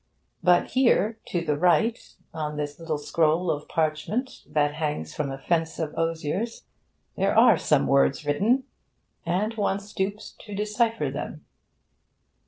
But here, to the right, on this little scroll of parchment that hangs from a fence of osiers, there are some words written, and one stoops to decipher them...